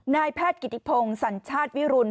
นายแพทย์กิติพงศ์สัญชาติวิรุณ